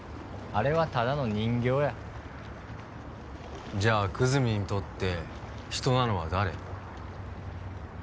あれはただの人形やじゃあ久住にとって人なのは誰？